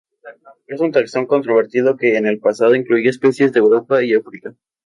Es un taxón controvertido que el el pasado incluía especies de Europa y África.